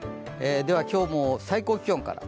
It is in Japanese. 今日も最高気温から。